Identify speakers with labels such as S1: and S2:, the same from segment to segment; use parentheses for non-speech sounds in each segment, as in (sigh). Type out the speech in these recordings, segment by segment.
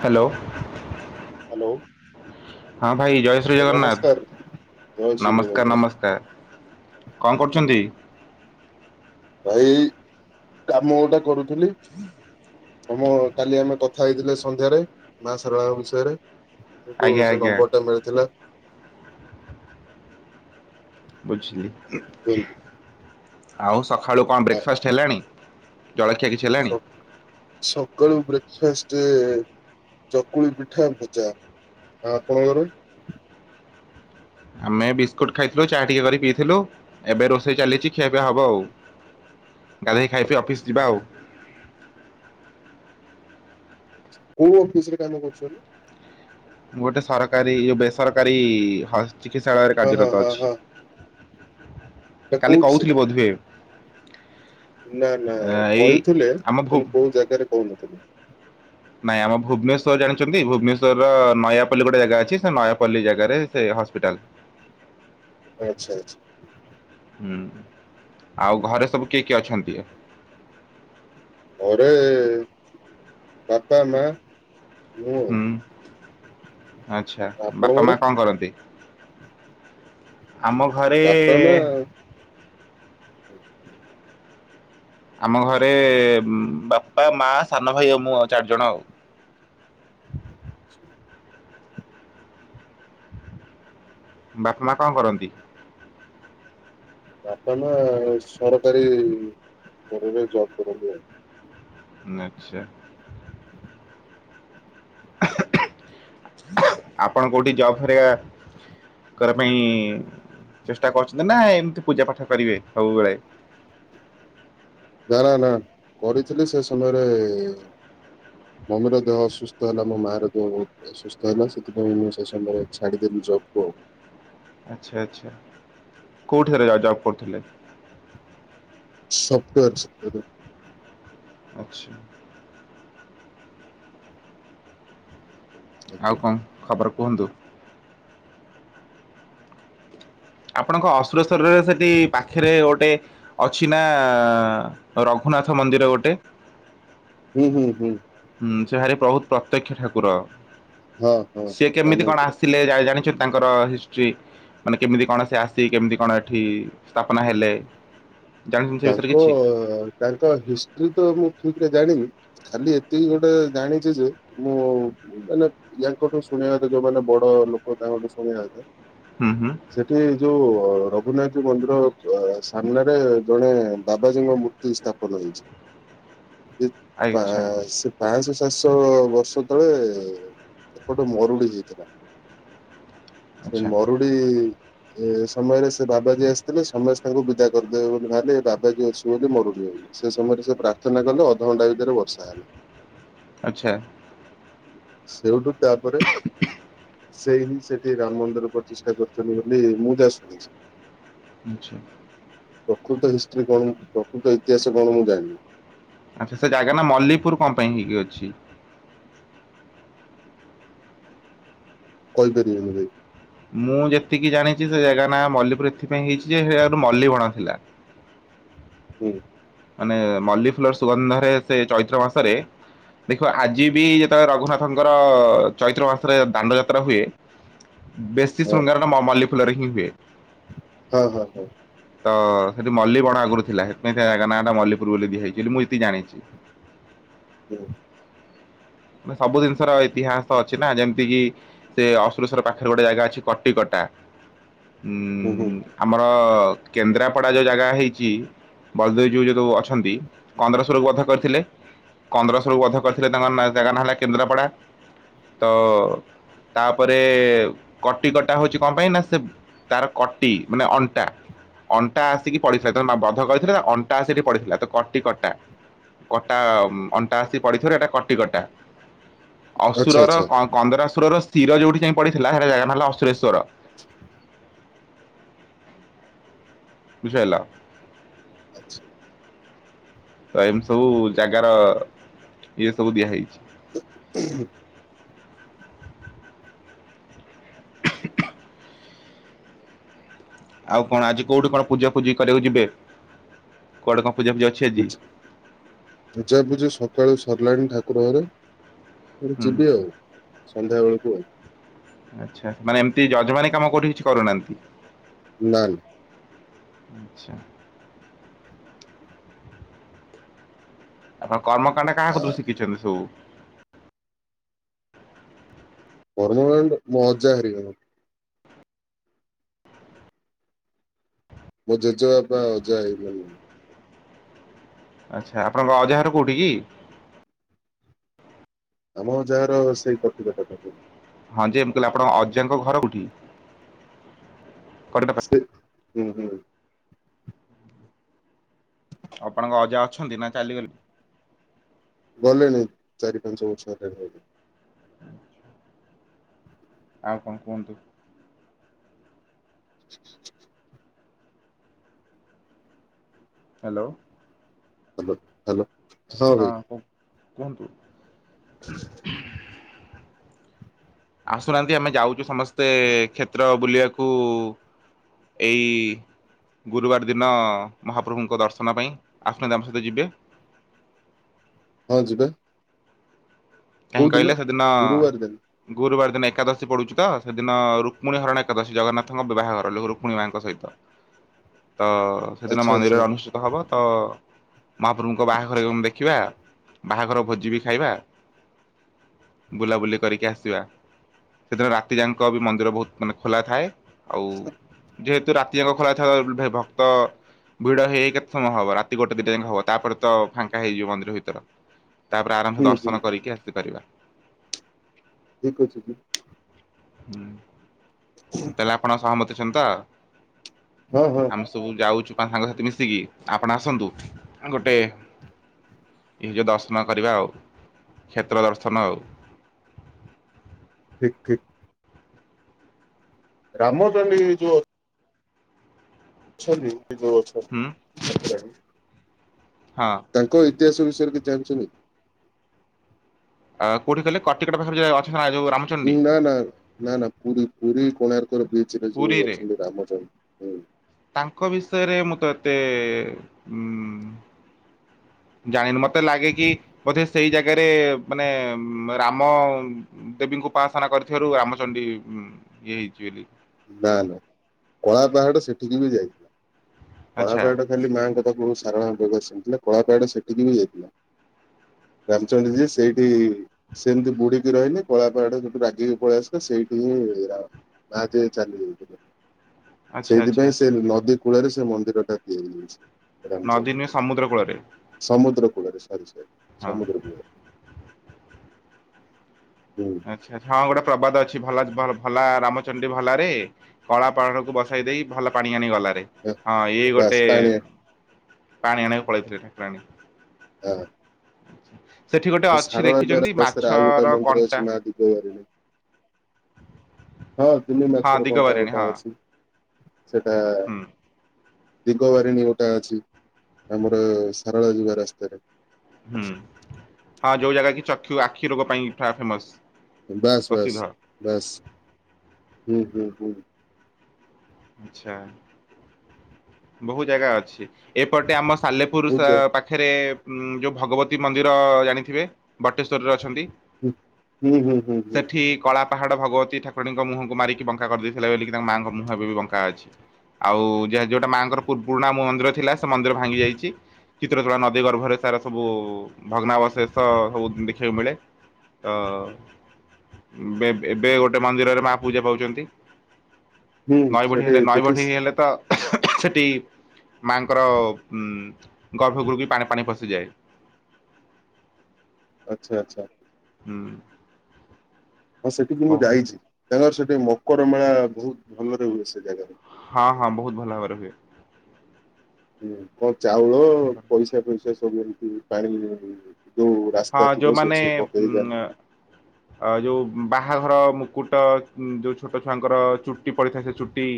S1: Hello.
S2: Hello.
S1: ହଁ ଭାଇ ଜୟ ଶ୍ରୀ
S2: ଭାଇ ନମସ୍କାର ଜୟ
S1: ଜଗନ୍ନାଥ।
S2: ଶ୍ରୀ
S1: ନମସ୍କାର
S2: ଜଗନ୍ନାଥ
S1: ନମସ୍କାର। କଣ କରୁଛନ୍ତି?
S2: ଭାଇ କାମ ଗୋଟାଏ କରୁଥିଲି। ତମ କାଲି ଆମେ କଥା ହେଇଥିଲେ ସନ୍ଧ୍ୟାରେ ମା ସାରଳାଙ୍କ ବିଷୟରେ। ସେଇଠୁ
S1: ଆଜ୍ଞା
S2: ସେ
S1: ଆଜ୍ଞା
S2: ନମ୍ବର ଟା ମିଳିଥିଲା।
S1: ବୁଝିଲି। ଆଉ ସକାଳୁ କଣ
S2: ଆ,
S1: ବ୍ରେକଫାଷ୍ଟ ହେଲାଣି? ଜଳଖିଆ କିଛି ହେଲାଣି?
S2: ସ- ସକାଳୁ ବ୍ରେକଫାଷ୍ଟେ ଚକୁଳି ପିଠା ଭଜା। ଆ ଆପଣଙ୍କର?
S1: ଆମେ ବିସ୍କୁଟ ଖାଇଥିଲୁ ଚା ଟିକେ କରି ପିଇଥିଲୁ ଏବେ ରୋଷେଇ ଚାଲିଚି ଖିଆପିଆ ହବ ଆଉ। ଗାଧେଇ ଖାଇପିଇ ଅଫିସ୍
S2: ଆଛା
S1: ଯିବା ଆଉ।
S2: କୋଉ ଅଫିସରେ କାମ କରୁଛନ୍ତି?
S1: ମୁଁ ଗୋଟେ ସରକାରୀ ଏ ବେସରକାରୀ ଚିକିତ୍ସାଳୟରେ
S2: ହଁ ହଁ
S1: କାର୍ଯ୍ୟରତ
S2: ହଁ
S1: ଅଛି।
S2: ହଁ ନା
S1: କାଲି
S2: କୋଉଠି
S1: କହୁଥିଲି ବୋଧ ହୁଏ।
S2: ନା-ନା
S1: ଏଇ
S2: କହିଥିଲେ
S1: ଆମ ଭୁ
S2: କିନ୍ତୁ କୋଉ ଜାଗାରେ କହୁନଥିଲେ।
S1: ନାଇଁ ଆମ ଭୁବନେଶ୍ଵର ଜାଣିଚନ୍ତି ଭୁବନେଶ୍ୱରର ନୟାପଲ୍ଲି ଗୋଟେ ଜାଗା ଅଛି ସେ ନୟାପଲ୍ଲି ଜାଗାରେ ସେ ହସ୍ପିଟାଲ୍।
S2: ଆଚ୍ଛା-ଆଚ୍ଛା।
S1: ହୁଁ ଆଉ ଘରେ ସବୁ କିଏ-କିଏ ଅଛନ୍ତି?
S2: ଘରେ ବାପା, ମା ମୁଁ ଆଉ
S1: ହୁଁ ଆଚ୍ଛା ବାପା,
S2: ଆପଣଙ୍କର
S1: ମା କଣ କରନ୍ତି? ଆମ ଘରେ
S2: ବାପା ମା
S1: ଆମ ଘରେ ବାପା, ମା, ସାନ ଭାଇ ଆଉ ମୁଁ ଆଉ ଚାରିଜଣ ଆଉ। ବାପ୍, ମା କଣ କରନ୍ତି?
S2: ବାପା, ମା ସରକାରୀ ସ୍ତରରେ ଜବ୍ କରନ୍ତି ଆଉ।
S1: ନା ଚା ଆପଣ କୋଉଠି ଜବ୍ ହରିକା କରିବା ପାଇଁ ଚେଷ୍ଟା କରୁଛନ୍ତି ନା ଏମିତି ପୂଜା ପାଠ କରିବେ ସବୁବେଳେ?
S2: ନା-ନା-ନା କରିଥିଲି ସେ ସମୟରେ ମମିର ଦେହ ଅସୁସ୍ଥ ହେଲା ମୋ ମା ର ଦେହ ବହୁତ୍ ଅସୁସ୍ଥ ହେଲା ସେଥିପାଇଁ ମୁଁ ସେ ସମୟରେ ଛାଡିଡେଲି ଜବ୍ କୁ ଆଉ।
S1: ଆଚ୍ଛା-ଆଚ୍ଛା କୋଉଠାରେ ଏକା ଜବ୍ କରୁଥିଲେ?
S2: ସଫ୍ଟୱୋର (unintelligible)
S1: ଆଚ୍ଛା। ଆଉ କଣ ଖବର କୁହନ୍ତୁ। ଆପଣଙ୍କ ଅସୁରେଶ୍ୱରରେ ସେଠି ପାଖେରେ ଗୋଟେ ଅଛି ନା ରଘୁନାଥ ମନ୍ଦିର ଗୋଟେ?
S2: ହୁଁ-ହୁଁ-ହୁଁ।
S1: ହୁଁ ସେ ଭାରି ବହୁତ ପ୍ରତ୍ୟକ୍ଷ ଠାକୁର
S2: ହଁ ହଁ
S1: ସିଏ କେମିତି କଣ
S2: ରାମଙ୍କର।
S1: ଆସିଲେ ଜା ଜାଣିଛନ୍ତି? ତାଙ୍କର ହିଷ୍ଟ୍ରି। ମାନେ କେମିତି କଣ ସେ ଆସି କେମିତି କଣ ଏଠି ସ୍ଥାପନା ହେଲେ? ଜାଣିଛନ୍ତି ସେ ବିଷୟରେ କିଛି?
S2: ତାଙ୍କ-ତାଙ୍କ ହିଷ୍ଟ୍ରି ତ ମୁଁ ଠିକରେ ଜାଣିନି। ଖାଲି ଏତିକି ଗୋଟେ ଜାଣିଚି ଯେ ମୁଁ ମାନେ ୟାଙ୍କଠୁ ଶୁଣିବା କଥା ଯୋଉମାନେ ବଡ ଲୋକ ତାଙ୍କଠୁ ଶୁଣିବାକଥା
S1: ହୁଁ-ହୁଁ।
S2: ସେଠି ଯୋଉ ରଘୁନାଥ ମନ୍ଦିର ଅ ସାମ୍ନାରେ ଜଣେ ବାବାଜୀଙ୍କ ମୂର୍ତ୍ତି ସ୍ଥାପନ ହେଇଛି, ସେ ତା
S1: ଆଚ୍ଛା
S2: ସେ ପାଞ୍ଚଶହ ସାତଶହ ବର୍ଷ ତଳେ ସେପଟେ ମରୁଡି ହେଇଥିଲା। ସେ
S1: ଆଚ୍ଛା
S2: ମରୁଡି ଏ ସମୟରେ ସେ ବାବା ଯିଏ ଆସିଥିଲେ ସମସ୍ତେ ତାଙ୍କୁ ବିଦା କରିଦେବେ ବୋଲି ବାବା ଯଏ ଅଛି ବୋଲି ମରୁଡ଼ି ହେଲା, ସେ ସମୟରେ ସେ ପ୍ରାର୍ଥନା କଲେ ଅଧଘଣ୍ଟା ଭିତରେ ବର୍ଷା ହେଲା।
S1: ଆଚ୍ଛା।
S2: ସେଇଠୁ ତାପରେ ସେଇ ହିଁ ସେଠି ସେ ରାମ ମନ୍ଦିର ପ୍ରତିଷ୍ଠା କରିୁଛନ୍ତି ବୋଲି ମୁଁ ଯା ଶୁଣିଛି।
S1: ଆଚ୍ଛା।
S2: ପ୍ରକୃତ ହିଷ୍ଟ୍ରି କଣ ପ୍ରକୃତ ଇତିହାସ କଣ ମୁଁ ଜାଣିନି?
S1: ଆଚ୍ଛା ସେ ଜାଗା ନା ମଲ୍ଲୀପୁର କଣ ପାଇଁ ହେଇକି ଅଛି?
S2: କହିପାରିବିନି ଭାଇ।
S1: ମୁଁ ଯେତିକି ଜାଣିଚି ସେ ଜାଗା ନା ମଲ୍ଲୀପୁର ଏଥିପାଇଁ ହେଇଚି ଯେ ହିଆଡେ ମଲ୍ଲୀବଣ ଥିଲା।
S2: ହୁଁ।
S1: ମାନେ ମଲ୍ଲି ଫୁଲର ସୁଗନ୍ଧରେ ସେ ଚୈତ୍ର ମାସରେ ଦେଖ ଆଜି ବି ଯେତେବେଳେ ରଘୁନାଥଙ୍କର ଚୈତ୍ର ମାସରେ ଦାଣ୍ଡଯାତ୍ରା ହୁଏ ବେଶୀ ଶୃଙ୍ଗାରଣ ମ-ମଲ୍ଲୀ ଫୁଲରେ ହିଁ ହୁଏ।
S2: ହଁ- ହଁ ହଉ।
S1: ତ ସେଠି ମଲ୍ଲୀ ବଣ ଆଗରୁ ଥିଲା ହେତିପାଇଁ ସେ ତା ନାଁ ଟା ମଲ୍ଲୀପୁର ବୋଲି ଦିଆ ହେଇଚି ବୋଲି ମୁଁ ଯେତିକି ଜାଣିଚି।
S2: ହୁଁ।
S1: ସବୁ ଜିନିଷର ଇତିହାସ ତ ଅଛି ନା ଯେମିତି କିି ସେ ଅସୁରେଶ୍ୱର ପାଖରେ ଗୋଟେ ଜାଗା ଅଛି କଟିକଟା
S2: ହୁଁ ହୁଁ
S1: ଉଁ ଆମର କେନ୍ଦ୍ରାପଡା ଯୋଉ ଜାଗା ହେଇଚି ବଳଦେବଜୀଉ ଯୋଉ ଅଛନ୍ତି କନ୍ଦ୍ରଶୁରକୁ ବଧ କରିଥିଲେ କନ୍ଦ୍ରଶୁରକୁ ବଧ କରିଥିଲେ ତାଙ୍କ ନା-ଜାଗା ନା ହେଲା କେନ୍ଦ୍ରାପଡା ତ ତାପରେ କଟି କଟା ହଉଚି କଣ ପାଇଁ ନା ସେ ତାର କଟି ମାନେ ଅଣ୍ଟା -ଅଣ୍ଟା ଆସିକି ପଡିଥିଲା ତ ବଧଗଳି ସେଟା ଅଣ୍ଟା ଆସି ସେଠି ପଡିଥିଲା ତ କଟି କଟା କଟା- ଅଣ୍ଟା ଆସି ପଡିଥିବାରୁ ଏଟା କଟି କଟା।
S2: ଆଚ୍ଛା
S1: ଅସୁରର
S2: ଆଚ୍ଛା
S1: କ- କନ୍ଦରାସୁରର ଶିର ଯୋଉଠି ଯାଇ ପଡିଥିଲା ହେଟା ଜାଗା ନା ହେଲା ଅସୁରେଶ୍ଵର। ବୁଝିପାରିଲ?
S2: ଆଚ୍ଛା।
S1: ତ ଏମିତି ସବୁ ଜାଗାର ଇଏ ସବୁ ଦିଆହେଇଚି। ଆଉ କଣ ଆଜି କଉଠି କଣ ପୂଜା ପୂଜି କରିବାକୁ ଯିବେ କୁଆଡେ କଣ ପୂଜା ଫୁଜା
S2: ପୂଜାପୂଜି ସକାଳୁ ସରିଲାଣି ଠାକୁର ଘରେ। ପୁଣି
S1: ହୁଁ
S2: ଯିବି ଆଉ ସନ୍ଧ୍ୟାବେଳକୁ ଆଉ
S1: ଆଚ୍ଛା ମାନେ ଏମିତି ଯଜମାନେ କାମ କୋଉଠି କିଛି କରୁନାହାନ୍ତି?
S2: ନା।
S1: ଆଚ୍ଛା। ଆପଣ କର୍ମକାଣ୍ଡ କାହା
S2: ଆ,
S1: କତିରୁ ଶିଖିଚନ୍ତି ସବୁ?
S2: କର୍ମକାଣ୍ଡ ମୋ ଅଜା ହେରିକା। ମମୋ ଜେଜେବାପା ଅଜା ହେରିକା ଠୁ।
S1: ଆଚ୍ଛା ଆପଣଙ୍କ ଅଜା ହର କଉଠି କି?
S2: ଆମ ଅଜା ଘର ସେଇ ପାଟିକଟାରେ।
S1: ହଁ ଯେ ମୁଁ କହିଲି ଆପଣଙ୍କ ଅଜାଙ୍କ ଘର କୋଉଠି? (unintelligible)
S2: ସେ ହୁଁ ହୁଁ।
S1: ଆପଣଙ୍କ ଅଜା ଅଛନ୍ତି ନା ଚାଲିଗଲେ?
S2: ଗଲେଣି ଚାରି ପାଞ୍ଚ ବର୍ଷ ହେଲାଣି।
S1: ଆଉ କଣ କୁହନ୍ତୁ? ହାଲୋ।
S2: Hello hello.
S1: ହଁ କଣ୍ କୁହନ୍ତୁ? ଆସୁନାହାନ୍ତି ଆମେ ଯାଉଚୁ ସମସ୍ତେ କ୍ଷେତ୍ର ବୁଲିବାକୁ। ଏଇ ଗୁରୁବାର ଦିନ ମହାପ୍ରଭୁଙ୍କ ଦର୍ଶନ ପାଇଁ ଆସୁଚନ୍ତି ଆମ ସହିତ ଯିବେ।
S2: ହଁ ଯିବା।
S1: କାହିଁ
S2: କୋଉ ଦିନ
S1: କହିଲେ ସେଦିନ
S2: ଗୁରୁବାର ଦିନ
S1: ଗୁରୁବାର ଦିନ ଏକାଦଶୀ ପଡୁଚି ତ ସେଦିନ ରୁକ୍ମଣୀ ହରଣ ଏକାଦଶୀ ଜଗନ୍ନାଥଙ୍କ ବିବାହ ଘର ଲୁ- ରୁକ୍ମୀଣି ମାଙ୍କ ସହିତ। ତ ସେଦିନ
S2: ଆଚ୍ଛା
S1: ମନ୍ଦିର
S2: ଆଚ୍ଛା
S1: ଅନୁଷ୍ଠି ହେବ ତ ମହାପ୍ରଭୁଙ୍କ ବାହାଘର ଦେଖିବା ବାହାଘର ଭୋଜି ବି ଖାଇବା। ବୁଲାବୁଲି କରିକି ଆସିବା ସେଦିନ ରାତି ଯାଙ୍କ ବି ମନ୍ଦିର ବହୁତ ମାନେ ଖୋଲା ଥାଏ। ଆଉ ଯେହେତୁ ରାତି ଯାଙ୍କ ଖୋଲା ଥାଏ ଭକ୍ତ ଭିଡ ହେଇ କେତେ ସମୟ ହବ ରାତି ଗୋଟେ ଦିଟା ଯାଙ୍କ ହବ ତାପରେ ତ ଫାଙ୍କା ହେଇଯିବ ମନ୍ଦିର ଭିତର। ତାପରେ ଆରାମ୍ ସେ
S2: ହୁଁ ହୁଁ
S1: ଦର୍ଶନ କରିକି ଆସିପାରିବା।
S2: ଠିକ୍ ଅଛି।
S1: ହୁଁ ତାହେଲେ ଆପଣ ସହମତି ଅଛନ୍ତି ତ।
S2: ହଁ ହଁ।
S1: ଆମେ ସବୁ ଯାଉଛୁ ପା ସାଙ୍ଗସାଥି ମିଶିକି ଆପଣ ଆସନ୍ତୁ ଗୋଟେ ଏ ଯୋଉ ଦର୍ଶନ କରିବା ଆଉ କ୍ଷେତ୍ର ଦର୍ଶନ ଆଉ।
S2: ଠିକ୍ ଠିକ୍। ରାମଦଯି ଯୋ ଅଛନ୍ତି ଏ ଯଉ ଅଛନ୍ତି।
S1: ହୁଁ।
S2: (unintelligible)
S1: ହଁ।
S2: ତାଙ୍କ ଇତିହାସ ବିଷୟରେ କିଛି ଜାଣିଛନ୍ତି।
S1: ଆ କୋଉଠି କହିଲେ କଟିକଟା ପାଖରେ ଅଛନ୍ତି ନା ଯୋଉ ରାମ୍।
S2: ଉଁ ନା ନା ନା ନା ପୁରୀ ପୁରୀ କୋଣାର୍କରେ ବିଚ ରେ ଯୋଉ
S1: ପୁରୀରେ
S2: ଅଛନ୍ତି ରାମଜନ ହୁଁ।
S1: ତାଙ୍କ ବିଷୟରେ ମୁଁ ତ ଏତେ ଉଁ ଜାଣିନି ମତେ ଲାଗେ କି ବୋଧେ ସେଇ ଜାଗାରେ ମାନେ ରାମ ଦେବୀଙ୍କୁ ଉପସନା କରିଥିବାରୁ ରାମଚଣ୍ଡୀ ଉ ଇଏ ହେଇଛି ବୋଲି।
S2: ନା ନା କଳା ପାହାଡ ସେଠିକି ବି ଯାଇଥିଲା କଳା
S1: ଆଚ୍ଛା
S2: ପାହାଡ ଖାଲି ମାଙ୍କ ପାଖକୁ ସାରଳା ଆସିନଥିଲେ କଳାପାହାଡ଼ ସେଠିକିବି ମୁଯାଇଥିଲି। ରାମଚଣ୍ଡୀ ଯେ ସେଇଠି ସେମିତି ବୁଡ଼ିକି ରହିଲି କଳାପାହାଡ଼ ଯଉଠୁ ରାଗିକି ପଳେଇ ଆସିଲା ସେଇଠି ହିଁରା ମହାଦେ ଚାଲି ଯାଇଥିଲେ
S1: ଆଚ୍ଛା ଆଚ୍ଛା
S2: ସେଇଥିପାଇଁ ସେ
S1: ଆଚ୍ଛା
S2: ନଦୀ କୂଳରେ ସେ ମନ୍ଦିରଟା ତିଆରି ହେଇଚି।
S1: ନଦୀ ନୁହେଁ ସମୁଦ୍ର କୂଳରେ।
S2: ସମୁଦ୍ର କୂଳରେ ସରି ସରି
S1: ହଁ
S2: ସମୁଦ୍ର କୂଳରେ। ହୁଁ।
S1: ଆଚ୍ଛା ଆଚ୍ଛା ହଁ ଗୋଟେ ପ୍ରବାଦ ଅଛି ଭଲ ଭଲ ଭଲା ରାମଚଣ୍ଡୀ ଭଲାରେ କଳା ପାହାଡ଼କୁ ବସାଇ ଦେଇ ଭଲ ପାଣି ଆଣି ଗଲାରେ। ହଁ ଏଇ ଗୋଟେ
S2: ବାସ୍ ପାଣିଆ
S1: ପାଣି ଆଣିବାକୁ ପଳେଇଥିଲେ ଠାକୁରାଣୀ।
S2: ହଁ।
S1: ସେଠି ଗୋଟେ
S2: ଆଉ
S1: ଅଛି ଦେଖିଛନ୍ତି ମାଛର କଣ୍ଟା?
S2: ଆଜିତ ବାରୁଣୀ। ହଁ ତିନି
S1: ହଁ
S2: ମାଛର କଣ୍ଟା
S1: ଦିଗବାରିଣୀ
S2: ଗୋଟା
S1: ହଁ
S2: ଅଛି ସେଟା
S1: ହୁଁ
S2: ଦିଙ୍ଗବାରିଣୀ ଗୋଟେ ଅଛି ଆମର ସାରଳା ଯିବା ରାସ୍ତାରେ।
S1: ହୁଁ ହଁ ଯୋଉ ଜାଗାକି ଚକ୍ଷୁ ଆଖି ରୋଗ ପାଇଁ ଫେମସ୍।
S2: ବାସ୍ ବାସ୍ ବାସ୍ ହୁଁ ହୁଁ ହୁଁ।
S1: ଆଚ୍ଛା ବହୁ ଜାଗା ଅଛି ଏପଟେ ଆମ ସାଲେପୁର ସା
S2: ବୁଝା
S1: ପା ଫେରେ ଯଉ ଭଗବତୀ ମନ୍ଦିର ଜାଣିଥିବେ ବଟେଶ୍ୱରରେ ଅଛନ୍ତି?
S2: ହୁଁ ହୁଁ ହୁଁ ହୁଁ ହୁଁ
S1: ସେଠି କଳା ପାହାଡ଼ ଭଗତୀ ଠାକୁରାଣୀଙ୍କ ମୁହଁକୁ ମାରିକି ବଙ୍କା କରି ଦେଇଥିଲେ ବୋଲିକି ତାଙ୍କ ମାଙ୍କ ମୁହଁବି ବ ଙ୍କା ଅଛି ଆଉ ଯେହେତୁ ଯୋଉଟା ମାଙ୍କର ପୁରୁଣା ମ ମନ୍ଦିର ଥିଲା ସେ ମନ୍ଦିର ଭାଙ୍ଗି ଯାଇଚି ଚିତ୍ର କଳା ନଦୀ ଗର୍ଭରେ ତାର ସବୁ ଭଗ୍ନାବଶେଷ ସବୁ ଦେଖିବାକୁ ମିଳେ। ତ ବେ ଏବେ ଗୋଟେ ମନ୍ଦିରରେ ମା ପୂଜା ପାଉଚନ୍ତି।
S2: ହୁଁ
S1: ନଈ ବଢ଼ି
S2: ସେଠି
S1: ହେଲେ ନଈଁ ବଢ଼ି
S2: ଦେଖିସ୍
S1: ହେଲେତ ସେଠି ମାଙ୍କର ଉଁ ଗର୍ଭଗୁରୁବି ପାଣି ପାଣି ପଶିଯାଏ।
S2: ଆଚ୍ଛା ଆଚ୍ଛା।
S1: ହୁଁ।
S2: ହଁ ସେଠିକି ମୁଁ ଯାଇଚି ତାଙ୍କର ସେଠି ମକର ମେଳା ବହୁତ୍ ଭଲରେ ହୁଏ ସେଜାଗାରେ।
S1: ହଁ ହଁ ବହୁତ୍ ଭଲ ଭାବରେ ହୁଏ।
S2: ହୁଁ କଣ ଚାଉଳ ପଇସା ପଇସା ସବୁ ଏମିତି ପାଣି ଯୋଉ ରାସ୍ତା
S1: ହଁ
S2: ଥିବ ସେଇଟି ସବୁ ପକେଇିକି ଯାଆନ୍ତି।
S1: ଆ ଯୋଉ ବାହାଘର ମୁକୁଟ ଯୋଉ ଛୋଟ ଛୁଆଙ୍କର ଚୁଟି ପଡ଼ିଥାଏ ସେ ଚୁଟି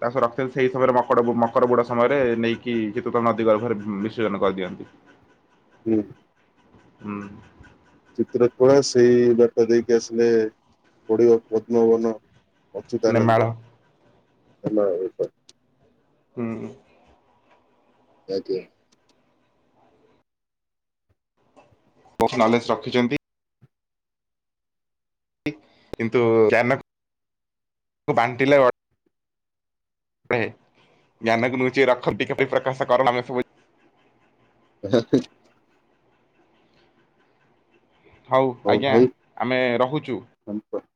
S1: ତା ସବୁ ରଖିଥାନ୍ତି ସେଇ ସମୟରେ ମକଡ ବୁଡା ସମୟରେ ନେଇକି ଶୀତୁତ ନଦୀ ଗର୍ଭରେ ବିସର୍ଜନ କରିଦିଅନ୍ତି।
S2: ହୁଁ।
S1: ହୁଁ।
S2: ଚିତ୍ର କଳା ସେଇ ବାଟା ଦେଇକି ଆସିଲେ ପଡ଼ିବ ପଦ୍ମବନ
S1: ନେମାଳ
S2: ଅଚ୍ୟୁତାନନ୍ଦ (unintelligible)
S1: ହୁଁ।
S2: (unintelligible)
S1: ପ୍ସନାଲିସ୍ ରହିଛନ୍ତି। କିନ୍ତୁ କ୍ୟାନକ୍ ବାଣ୍ଟିଲେ ଗ୍ୟାନକୁ ନୁଚେଇ ରଖନ୍ତି କେବେ ପ୍ରକାଶ (unintelligible)
S2: (unintelligible)
S1: ହଉ ଆଜ୍ଞା ଆମେ ରହୁଛୁ।
S2: ଆଜ୍ଞା।